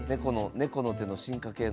猫の手の進化系の。